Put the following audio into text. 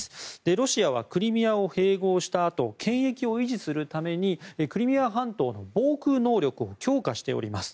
ロシアはクリミアを併合したあと権益を維持するためにクリミア半島の防空能力を強化しております。